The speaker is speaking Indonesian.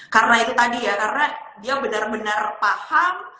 karena itu tadi ya karena dia benar benar paham